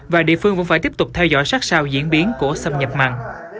và địa phương vẫn phải tiếp tục theo dõi sát sao diễn biến của xâm nhập mặn